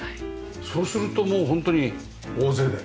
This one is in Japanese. そうするともうホントに大勢で。